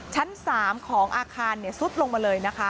ชั้น๓ของอาคารซุดลงมาเลยนะคะ